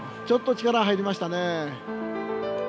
ちょっと力入りましたね。